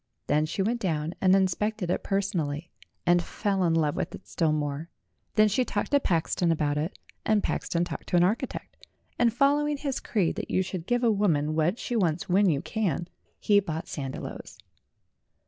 Then she went down and inspected it personally, and fell in love with it still more. Then she talked to Paxton about it, and Paxton talked to an architect, and fol lowing his creed that you should give a woman what she wants when you can, he bought Sandiloes.